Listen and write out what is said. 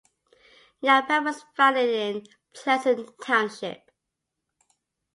Yampa was founded in Pleasant Township.